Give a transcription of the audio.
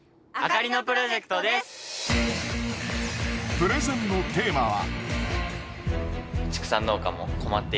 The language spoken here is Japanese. プレゼンのテーマは。